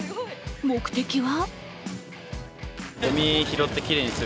目的は？